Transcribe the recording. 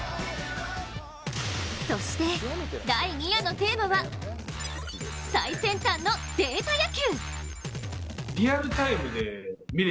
そして第２夜のテーマは最先端のデータ野球。